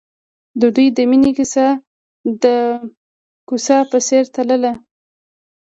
د دوی د مینې کیسه د کوڅه په څېر تلله.